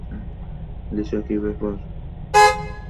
Lisa, কি ব্যাপার?